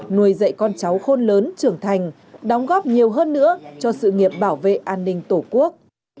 nuôi dạy con cháu khôn lớn trưởng thành đóng góp nhiều hơn nữa cho sự nghiệp bảo vệ an ninh tổ quốc